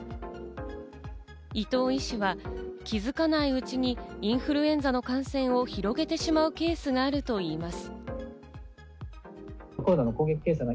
伊藤医師は、気づかないうちにインフルエンザの感染を広げてしまうケースがあるといいます。